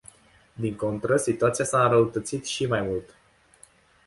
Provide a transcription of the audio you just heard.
Din contră, situația s-a înrăutățit și mai mult.